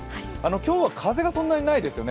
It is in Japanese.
今日は風がそんなにないですよね。